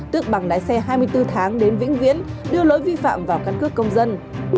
tước bằng lái xe hai mươi bốn tháng đến vĩnh viễn đưa lỗi vi phạm vào căn cước công dân